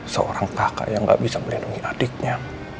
seorang kakak yang gak bisa melindungi adiknya